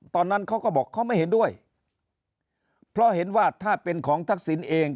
ตอนนั้นเขาก็บอกเขาไม่เห็นด้วยเพราะเห็นว่าถ้าเป็นของทักษิณเอง